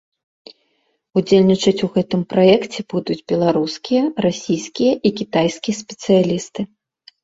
Удзельнічаць у гэтым праекце будуць беларускія, расійскія і кітайскія спецыялісты.